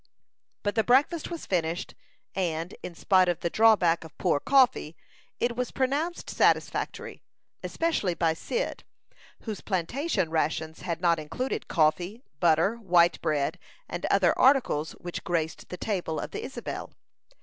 But the breakfast was finished, and, in spite of the drawback of poor coffee, it was pronounced satisfactory, especially by Cyd, whose plantation rations had not included coffee, butter, white bread, and other articles which graced the table of the Isabel.